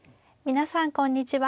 皆さんこんにちは。